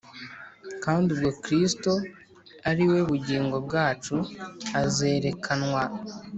Kandi ubwo Kristo ari we bugingo bwacu azerekanwa